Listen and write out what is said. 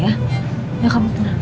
ya kamu tenang